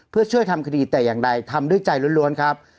เพื่อช่วยทำคดีแต่อย่างใดทำด้วยใจล้วนครับ